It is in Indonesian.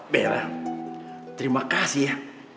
bella terima kasih ya